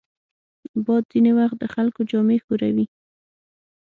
باد ځینې وخت د خلکو جامې ښوروي